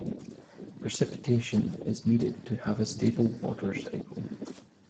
Precipitation is needed to have a stable water cycle.